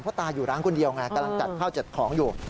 เพราะตาอยู่ร้านคนเดียวไงกำลังจัดข้าวจัดของอยู่